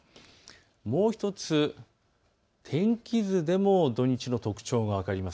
もう１つ天気図でも土日の特徴が分かります。